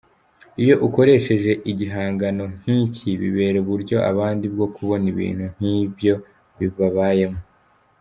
Iyo ukoresheje igihangano nk’iki bibera uburyo abandi bwo kubona ibintu nk’ibyo babayemo.